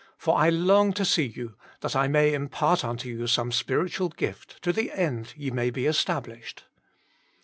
For I long to see you, that I may impart unto you some spiritual gift, to the end ye may be established."